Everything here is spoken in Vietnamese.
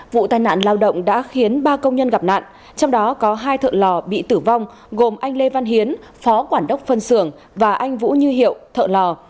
vụ tai nạn lao động đã khiến ba công nhân gặp nạn trong đó có hai thợ lò bị tử vong gồm anh lê văn hiến phó quản đốc phân xưởng và anh vũ như hiệu thợ lò